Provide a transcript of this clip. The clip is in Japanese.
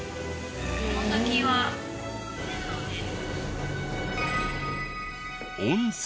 この先は線路です」